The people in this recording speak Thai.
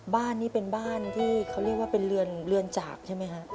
บ้านนี้เป็นบ้านที่เขาเรียกว่าเป็นเรือนจากใช่ไหมฮะ